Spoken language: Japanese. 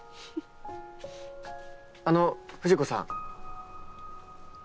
あの藤子さん。